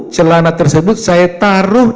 celana tersebut saya taruh